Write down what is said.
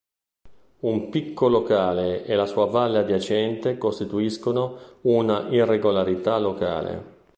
Un picco locale e la sua valle adiacente costituiscono una irregolarità locale.